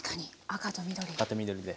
赤と緑で。